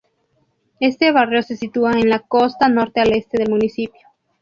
Este barrio se sitúa en la costa norte al este del municipio.